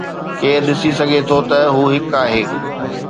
ڪير ڏسي سگهي ٿو ته هو هڪ آهي؟